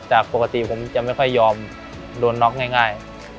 จากปกติผมจะไม่ค่อยยอมโดนน็อกง่าย